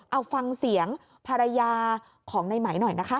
เอาฟังเสียงภรรยาของในไหมหน่อยนะคะ